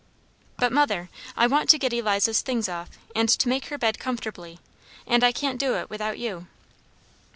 "But, mother, I want to get Eliza's things off, and to make her bed comfortably; and I can't do it without you."